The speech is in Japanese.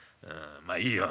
まあいいよ。